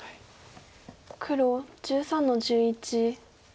黒１３の十一。